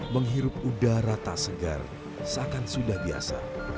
menghirup udara tak segar seakan sudah biasa